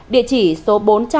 địa chỉ số bốn trăm năm mươi chín